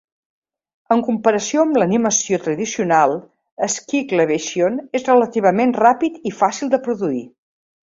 En comparació amb l'animació tradicional, Squigglevision és relativament ràpid i fàcil de produir.